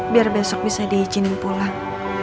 biar besok bisa diizinkan pulang